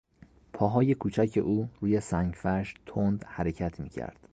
پاهای کوچک او روی سنگفرش تند حرکت میکرد.